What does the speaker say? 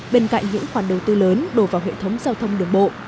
bên cạnh những khoản đầu tư lớn đổ vào hệ thống giao thông đường bộ